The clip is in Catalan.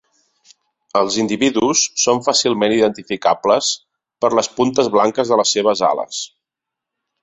Els individus són fàcilment identificables per les puntes blanques de les seves ales.